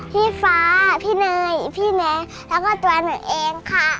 พี่ฟ้าพี่เนยพี่แนะแล้วก็ตัวหนูเองค่ะ